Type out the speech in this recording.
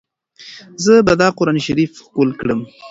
زه به دا قرانشریف ښکل کړم.